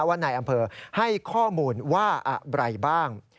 ว่านายอำเภอให้ข้อมูลว่าอะไรบ้าง